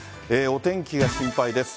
お天気が心配です。